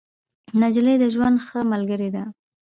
نجلۍ د ژوند ښه ملګرې ده.